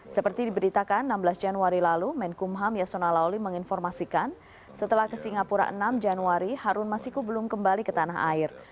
seperti diberitakan enam belas januari lalu menkumham yasona lawli menginformasikan setelah ke singapura enam januari harun masiku belum kembali ke tanah air